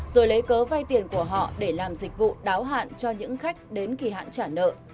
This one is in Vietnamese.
rồi lấy cớ vay tiền của họ để làm dịch vụ đáo hạn cho những khách đến kỳ hạn trả nợ